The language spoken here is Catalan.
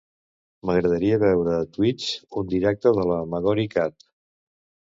M'agradaria veure a Twitch un directe de la "Magori cat".